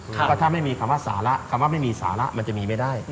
เพราะถ้าไม่มีคำว่าสาระคำว่าไม่มีสาระมันจะมีไม่ได้